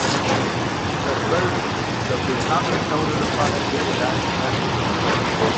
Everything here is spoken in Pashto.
تر بل د پیغام رسولو لپاره ډېرې لارې چارې شته